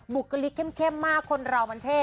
บุคลิกเข้มมากคนเรามันเท่